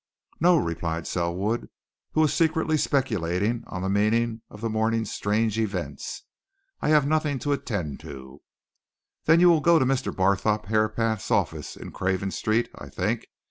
"No," replied Selwood, who was secretly speculating on the meaning of the morning's strange events. "I have nothing to attend to." "Then will you go to Mr. Barthorpe Herapath's office in Craven Street, I think?